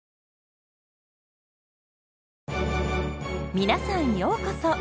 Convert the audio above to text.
皆さんようこそ！